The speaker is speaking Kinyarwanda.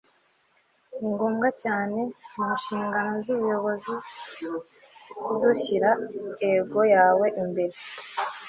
ni ngombwa cyane mu nshingano z'ubuyobozi kudashyira ego yawe imbere